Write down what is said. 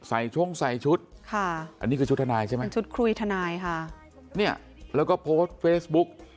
ช่วงใส่ชุดค่ะอันนี้คือชุดทนายใช่ไหมเป็นชุดคุยทนายค่ะเนี่ยแล้วก็โพสต์เฟซบุ๊ก